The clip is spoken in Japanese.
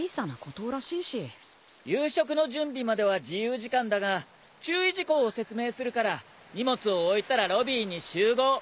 夕食の準備までは自由時間だが注意事項を説明するから荷物を置いたらロビーに集合！